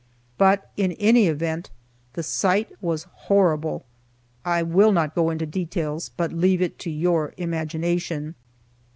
But, in any event, the sight was horrible. I will not go into details, but leave it to your imagination.